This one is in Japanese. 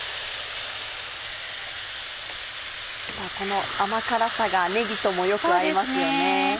この甘辛さがねぎともよく合いますよね。